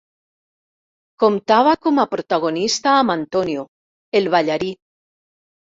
Comptava com a protagonista amb Antonio, el ballarí.